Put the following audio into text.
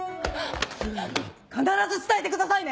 必ず伝えてくださいね！